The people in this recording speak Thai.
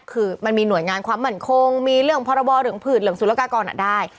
คือมันมีหน่วยงานความมั่นคงมีเรื่องพรบเหลืองผืดเหลืองสุรกากรได้